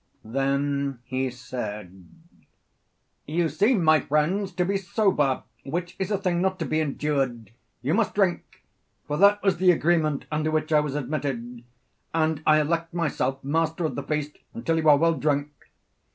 Then he said: You seem, my friends, to be sober, which is a thing not to be endured; you must drink for that was the agreement under which I was admitted and I elect myself master of the feast until you are well drunk.